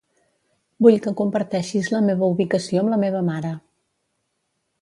Vull que comparteixis la meva ubicació amb la meva mare.